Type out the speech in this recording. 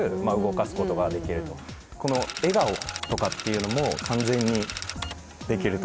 この笑顔とかっていうのも完全にできると。